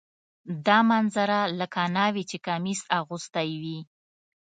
دا منظره لکه ناوې چې کمیس اغوستی وي.